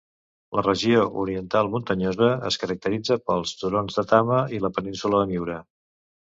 La regió oriental muntanyosa es caracteritza pels turons de Tama i la península de Miura.